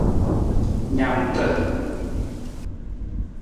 Naamta.